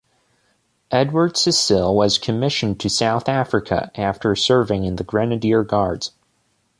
Edward Cecil was commissioned to South Africa after serving in the Grenadier Guards.